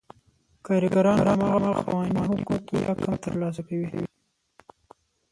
کارګران هماغه پخواني حقوق یا کم ترلاسه کوي